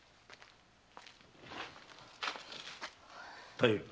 太夫。